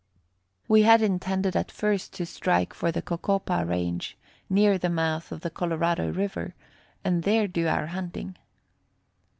We had intended at first to strike for the Cocopah range, near the mouth of the Colorado River, and there do our hunting.